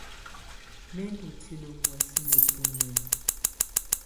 Mɛ̀ ndɔ̀ tilǝ muɛsɛ nà tunǝn.